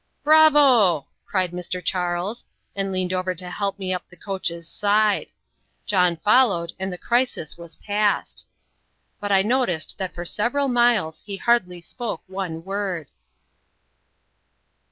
"Bravo!" cried Mr. Charles, and leaned over to help me up the coach's side. John followed, and the crisis was past. But I noticed that for several miles he hardly spoke one word.